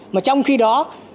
mà trong khi đó